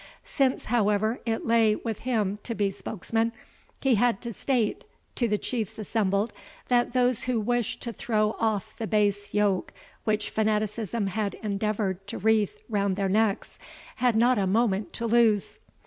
Since, however, it lay with him to be spokesman, he had to state to the Chiefs assembled, that those who wished to throw off the base yoke which fanaticism had endeavoured to wreath round their necks, had not a moment to lose.